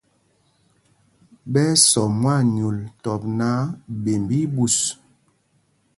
Ɓɛ́ ɛ́ sɔ mwaanyûl tɔp náǎ, ɓemb í í ɓus.